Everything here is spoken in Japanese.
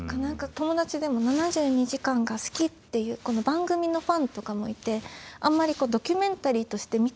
友達でも「７２時間」が好きっていう番組のファンとかもいてあんまりドキュメンタリーとして見て。